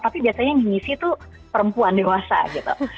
tapi biasanya yang diisi tuh perempuan dewasa gitu